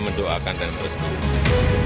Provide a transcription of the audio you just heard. mendoakan dan berusaha